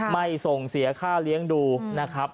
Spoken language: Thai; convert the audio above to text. ไม่ส่งเสียค่าเลี้ยงดูนะครับ